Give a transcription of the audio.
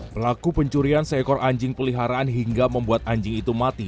pelaku pencurian seekor anjing peliharaan hingga membuat anjing itu mati